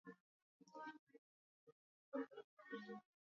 kuta watu wanakua na matumbo makubwa